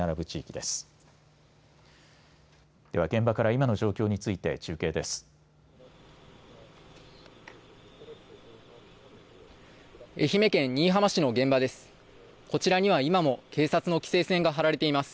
では現場から今の状況について中継です。